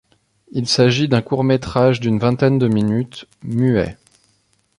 Il s'agit d'un court métrage d'une vingtaine de minutes, muet.